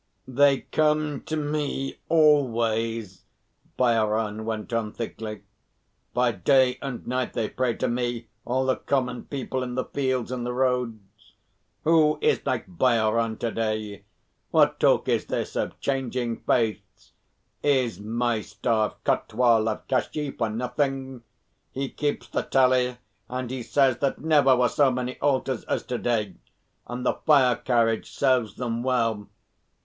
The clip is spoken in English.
"They come to me always," Bhairon went on thickly. "By day and night they pray to me, all the Common People in the fields and the roads. Who is like Bhairon to day? What talk is this of changing faiths? Is my staff Kotwal of Kashi for nothing? He keeps the tally, and he says that never were so many altars as today, and the fire carriage serves them well.